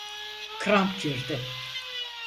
Kramp girdi.